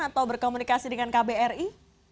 atau berkomunikasi dengan kbri